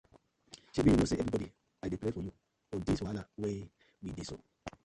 Shebi yu kno say everyday I dey pray for yu for this wahala wey we dey so.